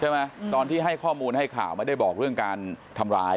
ตอนที่ให้ข้อมูลให้ข่าวไม่ได้บอกเรื่องการทำร้าย